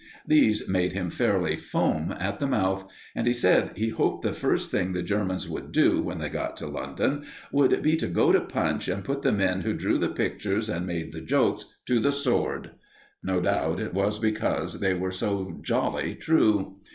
These made him fairly foam at the mouth, and he said he hoped the first thing the Germans would do, when they got to London, would be to go to Punch and put the men who drew the pictures and made the jokes to the sword. No doubt it was because they were so jolly true.